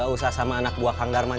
gak usah sama anak buah kang darman